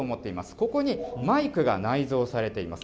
ここにマイクが内蔵されています。